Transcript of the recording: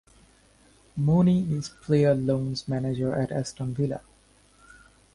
Mooney is player loans manager at Aston Villa.